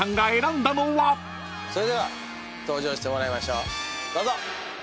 それでは登場してもらいましょうどうぞ！